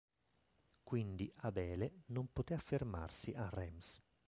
Quindi Abele non poté affermarsi a Reims.